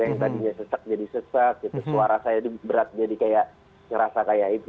yang tadinya sesak jadi sesak gitu suara saya berat jadi kayak ngerasa kayak itu